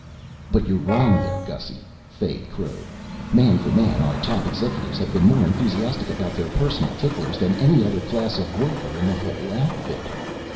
"But you're wrong there, Gussy," Fay crowed. "Man for man, our top executives have been more enthusiastic about their personal ticklers than any other class of worker in the whole outfit."